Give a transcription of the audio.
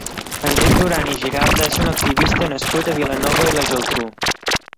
Enric Duran i Giralt és un activista nascut a Vilanova i la Geltrú.